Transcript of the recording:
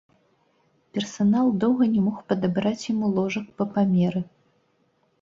Персанал доўга не мог падабраць яму ложак па памеры.